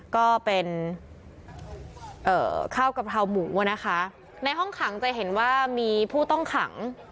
ก็เป็นข้าวกะเพราหมูอ่ะนะคะในห้องขังจะเห็นว่ามีผู้ต้องขัง